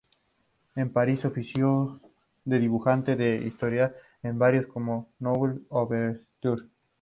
En París ofició de dibujante de historietas en diarios como Le Nouvel Observateur.